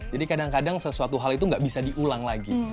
jadi kadang kadang sesuatu hal itu nggak bisa diulang lagi